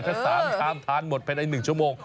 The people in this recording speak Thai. ถ้า๓ชามทานหมดภายใน๑ชั่วโมง